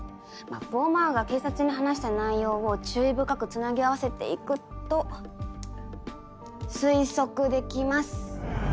ボマーが警察に話した内容を注意深くつなぎ合わせて行くと推測できます。